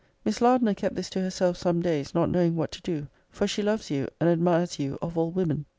'Miss Lardner kept this to herself some days, not knowing what to do; for she loves you, and admires you of all women.